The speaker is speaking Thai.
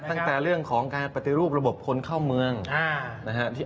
ตั้งแต่เรื่องของการปฏิรูประบบคนเข้าเมืองนะฮะ